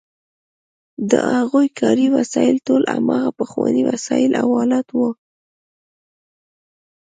د هغوی کاري وسایل ټول هماغه پخواني وسایل او آلات وو.